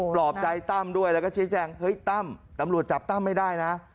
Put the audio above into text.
ปลอบใจตั้มด้วยแล้วก็ชี้แจงเฮ้ยตั้มตำรวจจับตั้มไม่ได้นะ